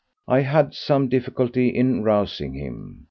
I had some difficulty in rousing him.